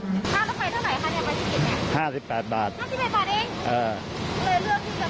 รถไฟเท่าไหร่คะเนี่ยไปที่กินเนี่ย